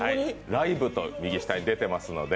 ライブと右下に出ているので。